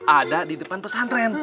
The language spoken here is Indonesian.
ada di depan pesantren